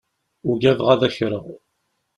Ugadeɣ ad akreɣ.